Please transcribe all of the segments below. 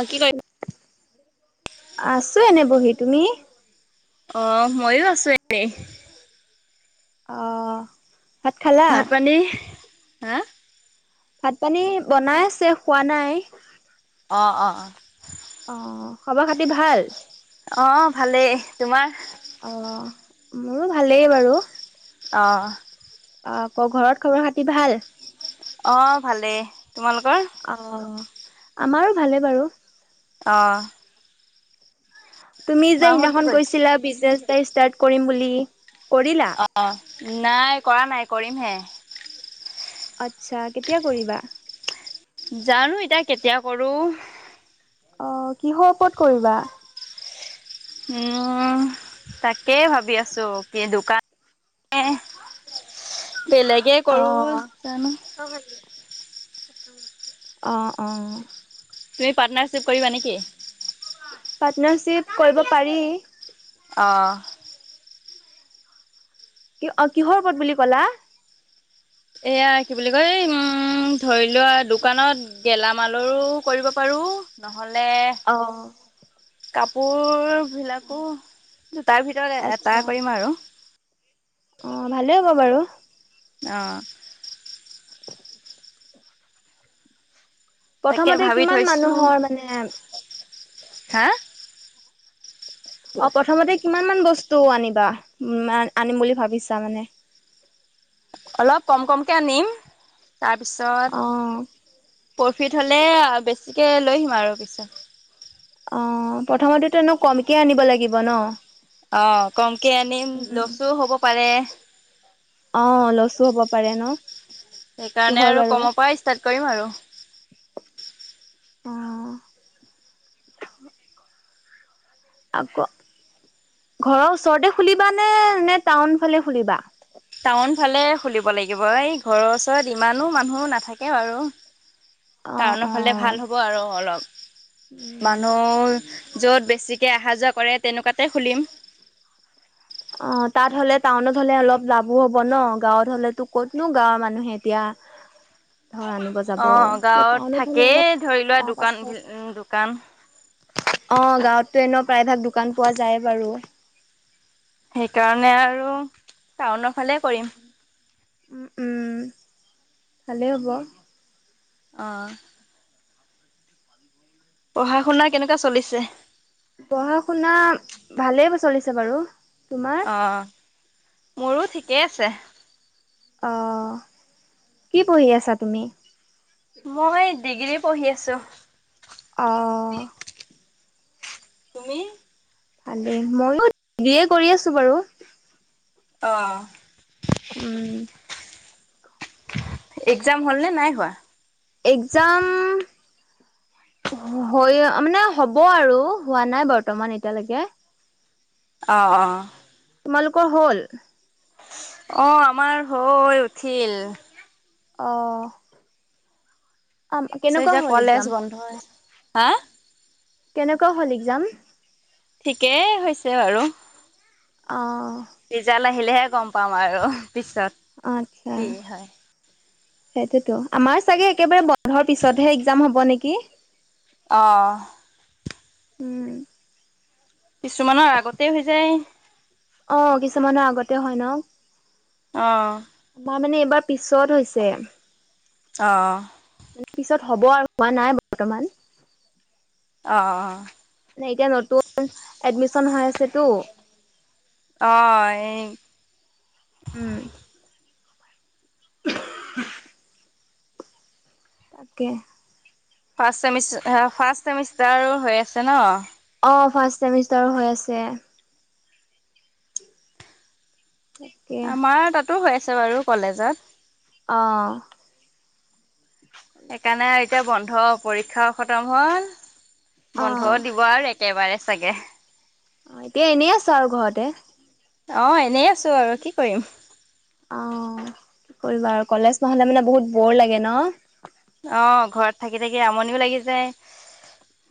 অ কি কৰে আছো এনে বহি তুমি অ ময়ো আছো এনেই অঁ ভাত পানী হা ভাত পানী বনাই আছে খোৱা নাই অ অ অ খবৰ খাতি ভাল আহ ভালেই তোমাৰ অ মোৰো ভালেই বাৰু আহঁ অ আক ঘৰত খবৰ খাতি ভাল অ ভালেই তোমালোকৰ অ আমাৰো ভালে বাৰু অঁ। তুমি যে কি সেইদিনাখন কৰিছে গৈছিলা বিজনেচ এটা ষ্টাৰ্ট কৰিম বুলি, কৰিলা। অ নাই কৰা নাই কৰিমহে। আচ্ছা কেতিয়া কৰিবা। জানো এতিয়া কেতিয়া কৰো। অ কিহৰ কত কৰিবা। উম তাকেই, ভাবি আছো কি দোকান। বেলেগে অ কৰো জানো। অঁ অঁ। তুমি পাৰ্টনাৰশ্বিপ কৰিবা নেকি? পাৰ্টনাৰশিপ কৰিব পাৰি। আহঁ। কি অ কিহৰ ওপৰত বুলি ক'লা। এয়া কি বুলি কয় উম ধৰি লোৱা দোকানত গেলামালৰো কৰিব পাৰো। নহলে অ কাপোৰ। বিলাকো দুটাৰ ভিতৰত এটা আচ্ছা কৰিম আৰু। অ ভালে হ'ব বাৰু। অঁ। তাকে প্ৰথমতে ভাবি কিমান থৈছো মানুহৰ মানে হা। অ প্ৰথমতে কিমান মান বস্তু আনিবা, উ আনিম বুলি ভাবিছা মানে। অলপ কম কমকৈ আনিম, অ তাৰপিছত। প্ৰফিট হ'লে বেছিকে, লৈ আহিম আৰু পিছত। অ প্ৰথমতেতোনো কমকে আনিব লাগিব ন। অ কমকে আনিম লছো হ'ব পাৰে। অ লছো হব পাৰে ন। সেইটো সেইকাৰণে হয় আৰু বাৰু কমৰ পৰা ষ্টাৰ্ট কৰিম আৰু। অ। আকৌ ঘৰৰ ওচৰতে খুলিবা নে নে টাউন ফালে খুলিবা। টাউন ফালে খুলিব লাগিব এই ঘৰৰ ওচৰত ইমানো মানুহ নাথাকে বাৰু। অ টাউনৰ অ ফালে ভাল হ'ব আৰু অলপ, উম মানুহ। য'ত বেছিকৈ অহা যোৱা কৰে তেনেকুৱাতে খুলিম। অঁ, তাত হ'লে টাউনত হলে অলপ লাভো হব ন গাঁৱত হলেতো ক'তনো গাঁৱৰ মানুহে এতিয়া। ধৰ আনিব যাব [unintelligible] অঁ, এতিয়া গাঁৱত টাউনত হ'লে অলপ থাকেই ধৰি লোৱা লাভ দোকান আছে। দোকান। [unintelligible] অঁ, গাঁৱততো এনে প্ৰায়ভাগ দোকান পোৱা যায় বাৰু। সেইকাৰণে আৰু, টাউনৰ ফালে কৰিম। উম উম! ভালে, হ'ব। আহঁ! পঢ়া শুনা কেনেকুৱা চলিছে? পঢ়া শুনা, ভালেই চলিছে বাৰু। তোমাৰ? অঁ, মোৰো ঠিকেই আছে। অ, কি পঢ়ি আছা তুমি? মই ডিগ্ৰী পঢ়ি আছো। অঁ! তুমি? ভালেই মইো ডিগ্ৰ্ৰীে কৰি আছো বাৰু। অঁ। উম! একজাম হ'ল নে নাই হোৱা? একজাম? হৈ মানে হ'ব আৰু হোৱা নাই বৰ্তমান এতিয়ালৈকে। অঁ অঁ! তোমালোকৰ হল? অঁ, আমাৰ হৈ উঠিল। অহঁ! অ তাৰপিছত কেনেকুৱা এতিয়া হল কলেজ একজাম বন্ধ হৈছে। হা কেনেকুৱা হল একজাম? ঠিকেই হৈছে বাৰু। অহঁ। ৰিজাল্ট আহিলেহে গম পাম আৰু পিছত আচ্ছা। কি হয়। সেইটোতো আমাৰ চাগে একেবাৰে বন্ধৰ পিছতহে একজাম হ'ব নেকি। অঁহ! উম! কিছুমানৰ আগতে হৈ যায়। অ কিছুমানৰ আগতে হয় নহঁ? অহঁ! পিছত হৈছে অ', মে পিছত- হ'ব আৰু হোৱা নাই বৰ্তমান। অ', নে এতিয়া নতুন এডমিচন হৈ আছেতোঁ। অহঁ এই, উম! [unintelligible] তাঁকে। ফাৰ্ষ্ট চেমিষ্টাৰ, ফাৰ্ষ্ট চেমিষ্টাৰো হৈ আছে নহঁ? অঁ, ফাৰ্ষ্ট ছেমিষ্টাৰো হৈ আছে। তাকে। সেটো হৈ আছে বাৰু কলেজত অহঁ। সেইকাৰণে আৰু এতিয়া বন্ধ পৰীক্ষাও খতম হ'ল অ'। বন্ধও অ', দিব আৰু একেবাৰে চাগে, অ এতিয়া এনেই আছো আৰু ঘৰতে অ এনেই আছো আৰু কি কৰিম। অহ কি কৰিবা আৰু কলেজ নহলে মানে বহুত বৰ লাগে ন। অ ঘৰত থাকি থাকি আমনিও লাগি যায়।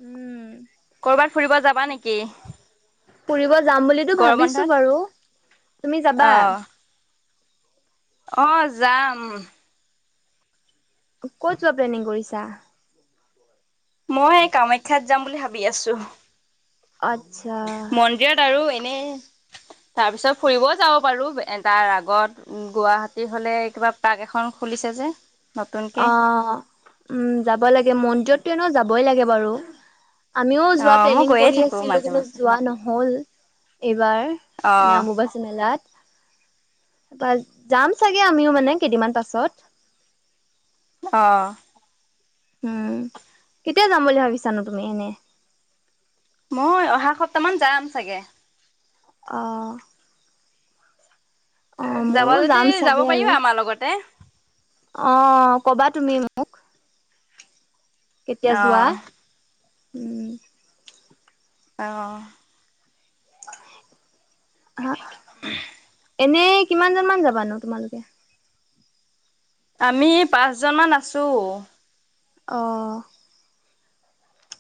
উম, কৰবাত ফুৰিব যাবা নেকি? ফুৰিব যাম বুলিতো গৰম ভাবিছো বন্ধত? বাৰু তুমি যাবা। অহ যাম ক'ত যোৱা প্লেনিং কৰিছা? মই কামাখ্যাত যাম বুলি ভাবি আছোঁ। আচ্ছা। মন্দিৰত আৰু এনেই তাৰ পিছত ফুৰিবও যাব পাৰো তাৰ আগত উম গুৱাহাটী হলে কিবা পাৰ্ক এখন খুলিছে যে নতুনকে অ উম যাব লাগে মন্দিৰততো এনেও যাবই লাগে বাৰু আমিও অ যোৱা মই প্লেনিং গৈয়ে কৰি থাকো আছিলো মাজে কিন্তু মাজে যোৱা নহল এই বাৰ অ মানে অম্বুবাচী মেলাত তাৰপা যাম চাগে আমিও মানে কেইদমান পাছত অহ উম কেতিয়া যাম বুলি ভাবিছানো তুমি এনে মই অহা সপ্তাহ মান যাম চাগে অহ অ যাবা মোৰো যদি যাম যাব চাগে আৰু পাৰিবা আমাৰ লগতে অ কবা তুমি মো ক কেতিয়া অ যোৱা উম অহ হা উমহ এনেই কিমানজন মান যাবা নো তোমালোকে আমি পাঁচজনমান আছো অ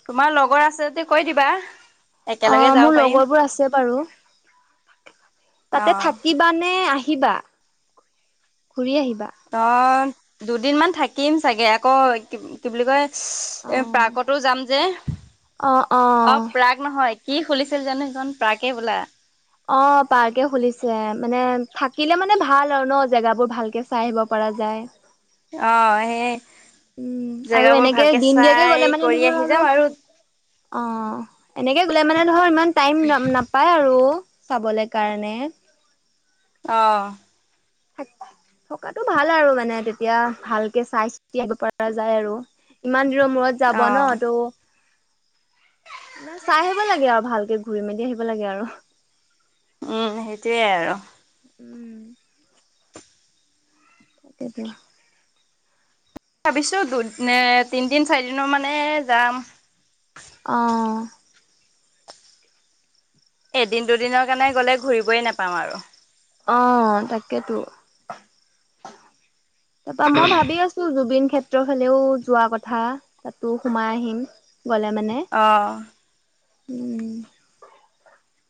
তোমাৰ লগৰ আছে যদি কৈ দিবা অ একেলগে যাব মোৰ পাৰিম লগৰবোৰ আছে বাৰু অ তাতে থাকিবা নে আহিবা ঘূৰি আহিবা অ দুদিন মান থাকিম চাগে আকৌ কি কি বুলি কয় এ অ' পাৰ্কতো যাম যে অ প্ৰাগ নহয় কি খুলিছিল জানো সিখন পাৰ্কে বলা অ পাৰ্কে খুলিছে মানে থাকিলে মানে ভাল আৰু ন জেগাবোৰ ভালকে চাই আহিব পা পৰা যায় অ সেয়ে উম আৰু এনেকে দিন দিয়াকে চাই গ'লে মানে কৰি ধৰ আহি আৰু যাম অ এনেকে গ'লে মানে ধৰ ইমান টাইম ন নাপায় আৰু চাবলৈ কাৰণে অহ সেই থকাতো ভাল আৰু মানে তেতিয়া ভালকে চাই চিতি আহিব পৰা যায় আৰু ইমান দিনৰ মূৰত যাব অ ন ত' মানে চাই আহিব লাগে আৰু ভালকে ঘূৰি মেলি সেইবিলাকে আৰু উম সেইটোয়ে আৰু উম তাকেতো ভাবিছো দু এ‌ তিনদিন চাৰিদিনৰ মানে যাম অহঁ এদিন দুদিনৰ কাৰণে গ'লে ঘূৰিবই নাপাম আৰু অ তাকেইতো তাপা মই ভাবি আছো জুবিন ক্ষেত্ৰৰ ফালেও যোৱা কথা তাতো সোমাই আহিম গ'লে মানে অ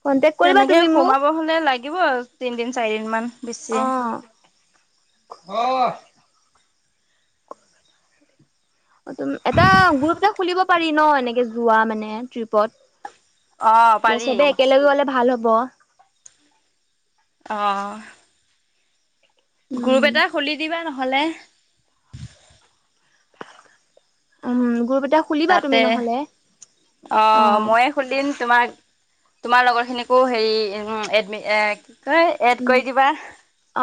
কন্টেক কৰিবা তেনেকে তুমি মোক সোমাব হ'লে লাগিব আৰু তিনদিন চাৰি দিন মান বেছি অ অ তুমি এটা গ্ৰুপ ত খুলিব পাৰি ন এনেকে যোৱা মানে অ ট্ৰিপত এ পাৰি চবে একেলগে গলে ভাল হব অঁ গ্ৰুপ উম। এটা খুলি দিবা নহলে উম গ্ৰুপ এটা খুলিবা তুমি তাতে নহ'লে অ ময়ে খুলিম তোমাৰ তোমাৰ লগৰ খিনিকো হেৰি এডমি এ এ এড উম, কৰি দিবা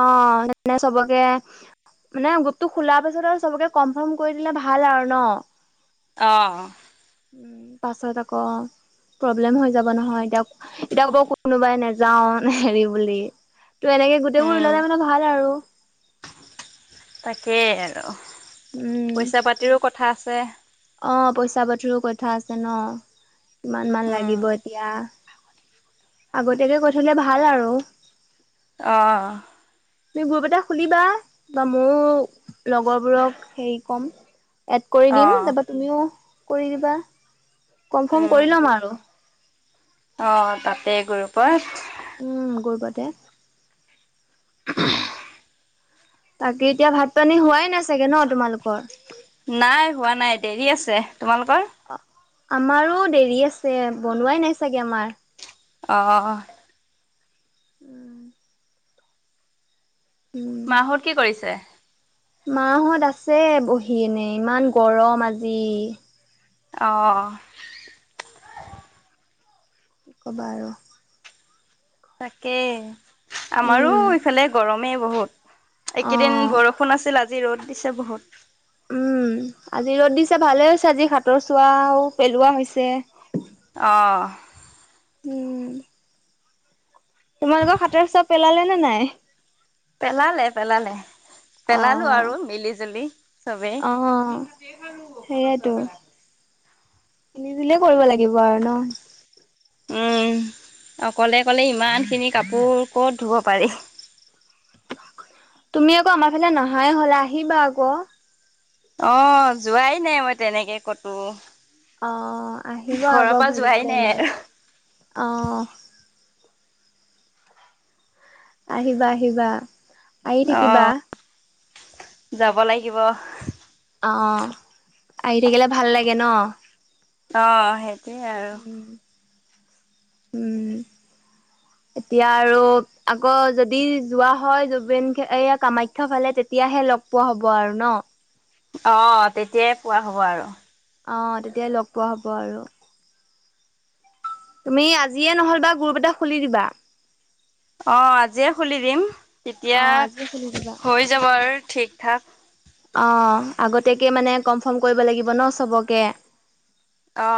অ', মানে চবকে মানে গোটটো খোলাৰ পিছত আৰু চবকে কনফাৰ্ম কৰি দিলে ভাল আৰু ন অ উম পাছত আকৌ প্ৰব্লেম হৈ যাব নহয় এতিয়া এতিয়া কব কোনোবাই নাযাও হেৰি বুলি তো, এনেকে গোটেইবোৰ উম ওলালে মানে ভাল আৰু। তাকেই আৰু উম। পইচা-পাতিৰো কথা আছে। অ'পইচা-পাতিৰো কথা আছে ন কিমান মান উম লাগিব এতিয়া। আগতীয়াকে কৈ থলে ভাল আৰু। অহ'। তুমি গ্ৰুপ এটা খুলিবা বা মোৰ লগৰবোৰক হেৰি কম। এড কৰি অ দিম তাৰপা তুমিও কৰি দিবা, কনফাৰ্ম উম। কৰি ল'ম আৰু। অ' তাতে গ্ৰুপত। উম গ্ৰুপতে [unintelligible] বাকী, এতিয়া ভাত পানী হোৱাই নাই চাগে ন তোমালোকৰ? নাই হোৱা নাই দেৰি আছে। তোমালোকৰ? আমাৰো দেৰি আছে, বনোৱাই নাই চাগে আমাৰ। অহ'। উম। মা হত কি কৰিছে? মা হত আছে বহি কেনে ইমান গৰম আজি। অঁ' কি ক'বা আৰু। তাকেই আমাৰো উম ইফালে গৰমেই বহুত। এই কেইদিন অ'। বৰষুণ আছিল আজি ৰ'দ দিছে বহুত। উম'। আজি ৰ'দ দিছে ভালে হৈছে আজি হাতৰ চোৱাও পেলোৱা হৈছে। অঁ'। উম। তোমালোকক হাতৰ চোৱা পেলালে নে নাই? পেলালে, পেলালে। পেলালো আৰু অহ' মিলি জুলি চবেই অহ' অ সেইতো। নিদিলেও কৰিব লাগিব আৰু ন? উম। অকলে অকলে ইমানখিনি কাপোৰ ক'ত ধুব পাৰি। তুমি আকৌ আমাৰ ফালে নহাই হলা আহিবা আক। অ' যোৱাই নাই মই তেনেকে কতো। অঁ আহিব আক ঘৰৰ পৰা যোৱাই ঘূৰিবলে নাই এনেই, আৰু অঁ আহিবা আহিবা আহি অ থাকিবা। যাব লাগিব। অ' আহি থাকিলে ভাল লাগে ন। অ সেইটোৱে আৰু। উম উম। উ। [inaudible] এতিয়া আৰু আক যদি যোৱা হয়, জুবিন এই কামাখ্যা ফালে তেতিয়াহে লগ পোৱা হ'ব আৰু ন অ তেতিয়াই পোৱা হ'ব আৰু। অ' তেতিয়া লগ পোৱা হ'ব আৰু। তুমি আজিয়ে নহলবা গ্ৰুপ এটা খুলি দিবা। অ আজিয়ে খুলি দিম অ তেতিয়া আজিয়ে খুলি দিবা হৈ যাব আৰু ঠিক ঠাক। অ আগতীয়াকে মানে কনফৰ্ম কৰিব লাগিব ন চবকে। অ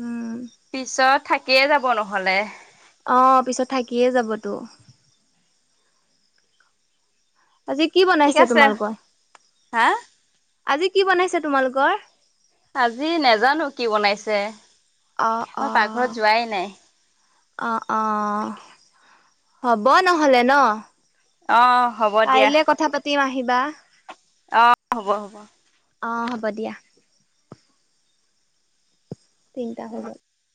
উম পিছত থাকিয়ে যাব নহ'লে। অ পিছত থাকিয়ে যাবতো। আজি কি ঠিক বনাইছে আছে তোমালোকৰ? হা আজি কি বনাইছে তোমালোকৰ? আজি নেজানো কি বনাইছে, অ', মই পাকঘৰত যোৱাই নাই অঁ অঁ হ'ব নহ'লে ন অ হ'ব দিয়া কাইলে কথা পাতিম আহিবা অ হ'ব হ'ব অঁ হ'ব দিয়া তিনটা হৈ' গল